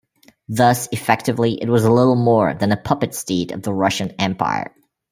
Thus effectively it was little more than a puppet state of the Russian Empire.